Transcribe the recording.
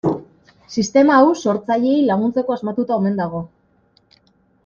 Sistema hau sortzaileei laguntzeko asmatuta omen dago.